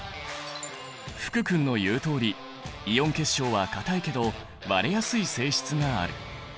福くんの言うとおりイオン結晶は硬いけど割れやすい性質がある。